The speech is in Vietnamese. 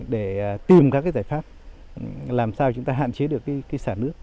để tìm các giải pháp làm sao chúng ta hạn chế được sả nước